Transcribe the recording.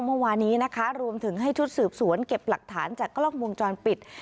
เมื่อวานี้นะคะรวมถึงให้ชุดสืบสวนเก็บหลักฐานจากกล้องวงจรปิด